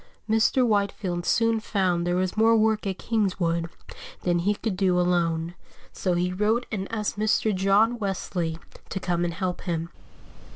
Mr. Whitefield soon found there was more work at Kingswood than he could do alone, so he wrote and asked Mr. John Wesley to come and help him.